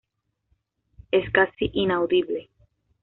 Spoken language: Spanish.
Es casi inaudible.